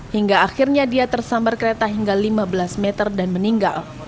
hingga akhirnya dia tersambar kereta hingga lima belas meter dan meninggal